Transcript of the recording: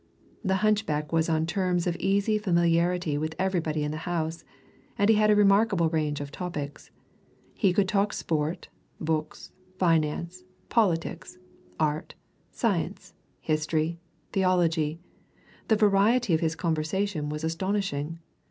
The hunchback was on terms of easy familiarity with everybody in the house, and he had a remarkable range of topics. He could talk sport, books, finance, politics, art, science, history, theology the variety of his conversation was astonishing.